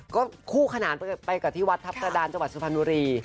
ก็คู่ขนานไปกับที่วัดทัพกระดานจังหวัดสุพรรณบุรี